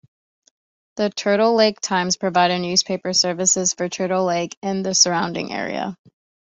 The Turtle Lake Times provides newspaper services for Turtle Lake and the surrounding area.